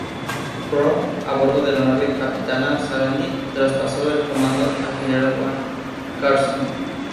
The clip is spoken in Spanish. Brown, a bordo de la nave capitana Sarandí, traspasó el comando al General Balcarce.